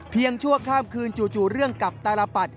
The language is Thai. เพียงชั่วข้ามคืนจู่เรื่องกับตารปัตร